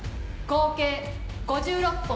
合計５６本。